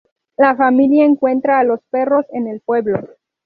La familia encuentra a los perros en el pueblo.